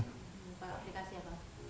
pak aplikasi apa